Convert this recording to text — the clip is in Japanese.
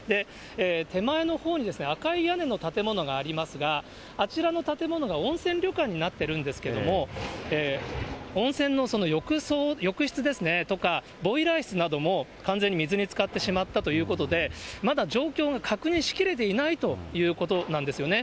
手前のほうに赤い屋根の建物がありますが、あちらの建物が温泉旅館になっているんですけれども、温泉の浴室とか、ボイラー室なども、完全に水につかってしまったということで、まだ状況が確認しきれていないということなんですよね。